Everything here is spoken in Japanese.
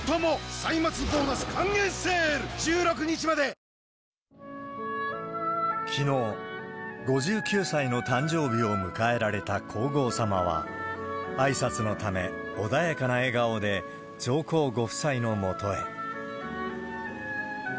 「ポリグリップ」きのう、５９歳の誕生日を迎えられた皇后さまは、あいさつのため、穏やかな笑顔で上皇ご夫妻のもとへ。